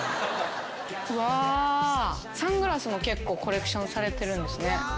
うわサングラスも結構コレクションされてるんですね。